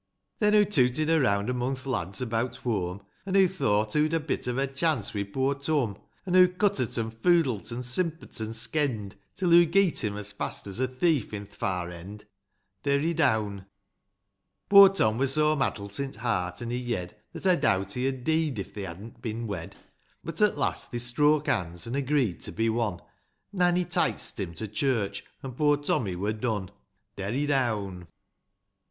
Then hoo tooted around among th' lads about whoam, An' hoo thought hoo'd a bit of a chance wi' poor Tom ; An' hoo cutter't, an' foodle't, an' simper't, an' skenn'd, Till hoo geet him as fast as a thief, i'th far end. Derry down. Poor Tom vvur so maddle't i' heart and i' yed, That I doubt he'd ha' dee'd if they hadn't bin wed ; But, at last, they stroke bonds, an' agreed to be one ; Nanny tice't him to church — an' poor Tommy wur done. Derry down.